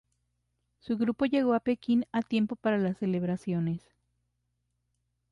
Su grupo llegó a Pekín a tiempo para las celebraciones.